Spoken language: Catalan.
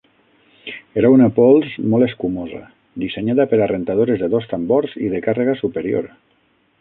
Era una pols molt escumosa dissenyada per a rentadores de dos tambors i de càrrega superior.